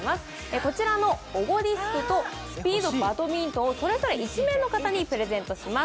こちらのオゴディスクとバドミントンをそれぞれ１名の方にプレゼントします。